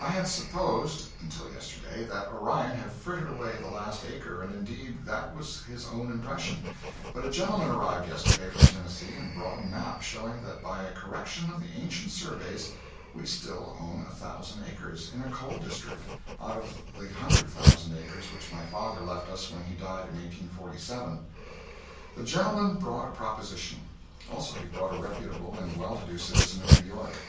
I had supposed, until yesterday, that Orion had frittered away the last acre, and indeed that was his own impression. But a gentleman arrived yesterday from Tennessee and brought a map showing that by a correction of the ancient surveys we still own a thousand acres, in a coal district, out of the hundred thousand acres which my father left us when he died in 1847. The gentleman brought a proposition; also he brought a reputable and well to do citizen of New York.